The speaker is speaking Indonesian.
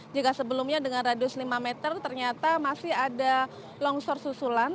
jika sebelumnya dengan radius lima meter ternyata masih ada longsor susulan